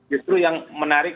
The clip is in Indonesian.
justru yang menarik